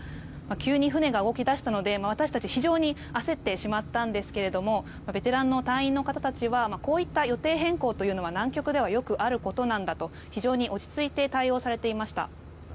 急に船が動き出したので私たちも非常に焦ってしまったんですがベテランの隊員の方たちはこういった予定変更は南極ではよくあることなんだと非常に落ち着いて対応されていました。